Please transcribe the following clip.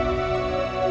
aku mau bantuin